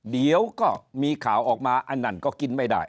เดี๋ยวก็มีข่าวออกมาอันนั้นก็กินไม่ได้